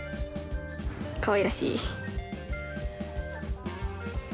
かわいらしい。